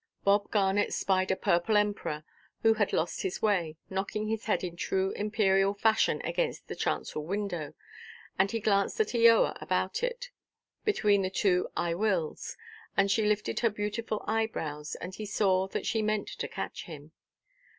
Bob Garnet spied a purple emperor, who had lost his way, knocking his head in true imperial fashion against the chancel–window, and he glanced at Eoa about it, between the two "I wills," and she lifted her beautiful eyebrows, and he saw that she meant to catch him.